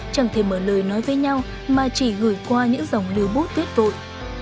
chẳng thể mở lời nói với nhau mà chỉ gửi qua những dòng lưu bút viết vội